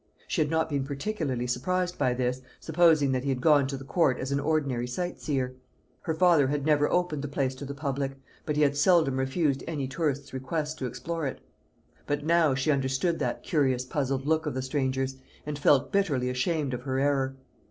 She had not been particularly surprised by this, supposing that he had gone to the Court as an ordinary sight seer. Her father had never opened the place to the public, but he had seldom refused any tourist's request to explore it. But now she understood that curious puzzled look of the stranger's, and felt bitterly ashamed of her error.